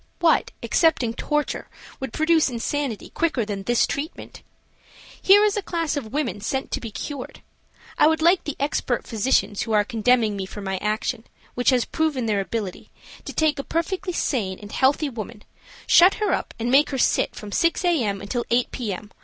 What, excepting torture, would produce insanity quicker than this treatment? Here is a class of women sent to be cured. I would like the expert physicians who are condemning me for my action, which has proven their ability, to take a perfectly sane and healthy woman, shut her up and make her sit from 6 A. M. until 8 P. M.